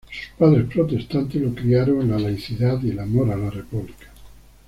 Sus padres protestantes lo criaron en la laicidad y el amor a la República.